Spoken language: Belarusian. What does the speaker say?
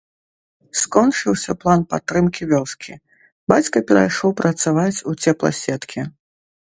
Скончыўся план падтрымкі вёскі, бацька перайшоў працаваць у цепласеткі.